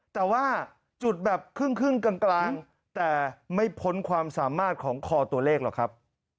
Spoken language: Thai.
แต่ว่าจุดแบบครึ่งกลางแต่ไม่พ้นความสามารถของคอตัวเลขหรอกครับ